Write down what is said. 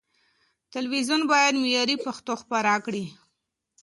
تلويزيون بايد معياري پښتو خپره کړي.